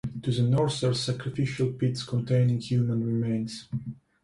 To the north are sacrificial pits containing human remains.